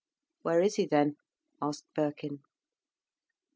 "Where is he then?" asked Birkin.